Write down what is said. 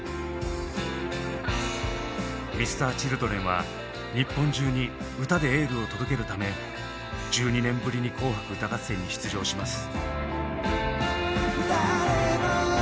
Ｍｒ．Ｃｈｉｌｄｒｅｎは日本中に歌でエールを届けるため１２年ぶりに「紅白歌合戦」に出場します。